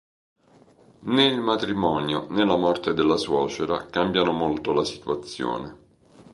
Né il matrimonio, né la morte della suocera, cambiano molto la situazione.